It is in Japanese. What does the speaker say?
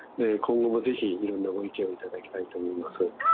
今後もぜひいろんなご意見を頂きたいと思います。